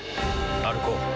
歩こう。